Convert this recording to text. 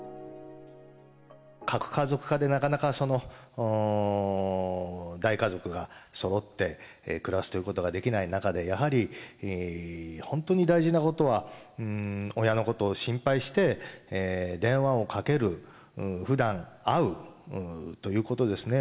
核家族化でなかなか、大家族がそろって暮らすということができない中で、やはり本当に大事なことは、親のことを心配して電話をかける、ふだん会うということですね。